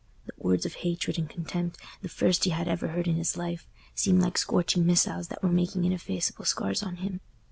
The words of hatred and contempt—the first he had ever heard in his life—seemed like scorching missiles that were making ineffaceable scars on him.